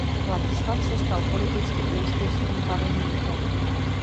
Ladislav se stal se politicky úspěšným panovníkem.